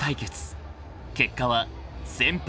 ［結果は先輩